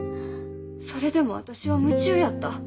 それでも私は夢中やった。